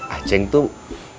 a ceng tuh